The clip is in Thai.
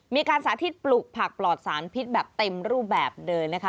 สาธิตปลูกผักปลอดสารพิษแบบเต็มรูปแบบเลยนะคะ